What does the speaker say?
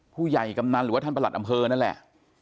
ผู้ใหญ่กำนั้นหรือว่าท่านประหลัตน์อำเภอนะแหละ